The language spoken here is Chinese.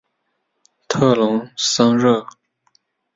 特龙桑热。